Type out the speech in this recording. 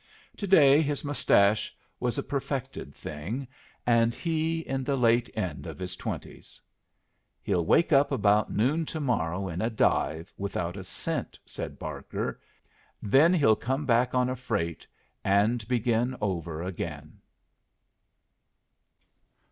To day his mustache was a perfected thing, and he in the late end of his twenties. "He'll wake up about noon to morrow in a dive, without a cent," said Barker. "Then he'll come back on a freight and begin over again."